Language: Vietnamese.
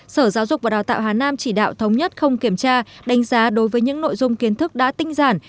sở giáo dục và đào tạo hà nam chỉ đạo thống nhất không kiểm tra đánh giá đối với những nội dung kiến thức đã tinh giản